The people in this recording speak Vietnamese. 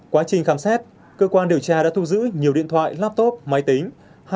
quá trình khám xét cơ quan điều tra đã thu giữ nhiều điện thoại laptop máy tính